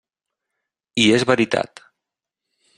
I és veritat.